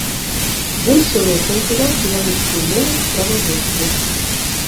Больш шырока ўжываць беларускую мову ў справаводстве.